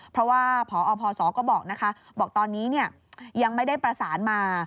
เพราะว่าพอพศก็บอกนะคะบอกตอนนี้ยังไม่ได้ประสานมา